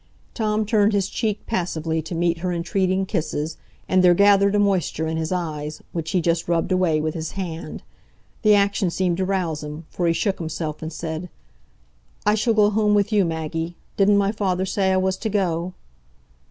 Tom turned his cheek passively to meet her entreating kisses, and there gathered a moisture in his eyes, which he just rubbed away with his hand. The action seemed to rouse him, for he shook himself and said: "I shall go home, with you, Maggie. Didn't my father say I was to go?"